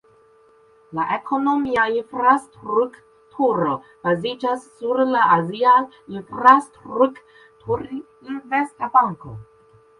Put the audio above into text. La ekonomia infrastrukturo baziĝas sur la Azia Infrastrukturinvesta Banko.